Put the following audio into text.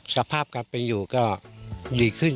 สภาพการเป็นอยู่ก็ดีขึ้น